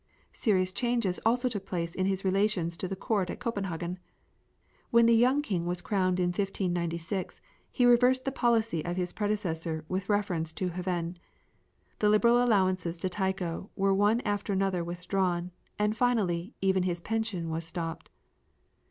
Serious changes also took place in his relations to the court at Copenhagen. When the young king was crowned in 1596, he reversed the policy of his predecessor with reference to Hven. The liberal allowances to Tycho were one after another withdrawn, and finally even his pension was stopped.